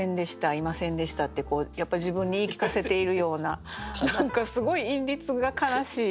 「いませんでした」ってやっぱ自分に言い聞かせているような何かすごい韻律が悲しい。